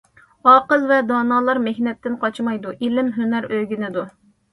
ئاقىل ۋە دانالار مېھنەتتىن قاچمايدۇ، ئىلىم، ھۈنەر ئۆگىنىدۇ.